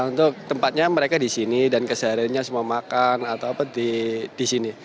ya untuk tempatnya mereka di sini dan kesehariannya semua makan di sini